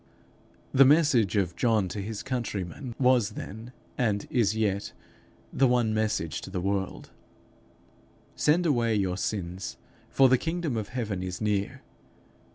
The message of John to his countrymen, was then, and is yet, the one message to the world: 'Send away your sins, for the kingdom of heaven is near.'